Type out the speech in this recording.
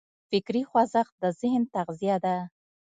فکري خوځښت د ذهن تغذیه ده.